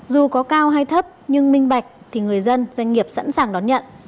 dù có cao hay thấp nhưng minh bạch thì người dân doanh nghiệp sẵn sàng đón nhận